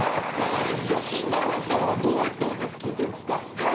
吉澤さんはどうやって音楽聞いてますか。